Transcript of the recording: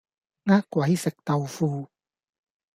呃鬼食豆腐